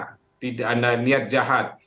kemudian yang kedua adalah adanya perintah atasan